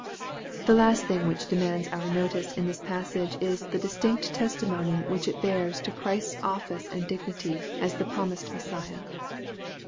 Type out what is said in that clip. The last thing which demands our notice in this passage is the distinct testimony which it bears to Christ's office and dignity, as the promised Messiah.